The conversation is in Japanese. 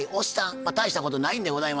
まあ大したことないんでございますが。